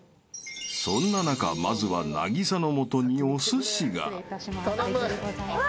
［そんな中まずは凪咲のもとにお寿司が］わあ！